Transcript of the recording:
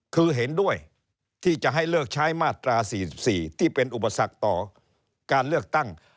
คือเห็นด้วยที่จะให้เลือกใช้มาตรา๔๔ที่เป็นอุปสรรคต่อการเลือกตั้ง